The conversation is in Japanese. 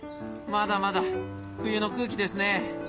まだまだ冬の空気ですね。